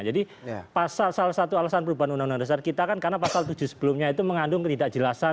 jadi pasal salah satu alasan perubahan undang undang dasar kita kan karena pasal tujuh sebelumnya itu mengandung ketidakjelasan muatan